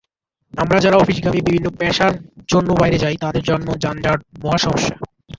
আমরা যারা অফিসগামী, বিভিন্ন পেশার জন্য বাইরে যাই, তাদের জন্য যানজট মহাসমস্যা।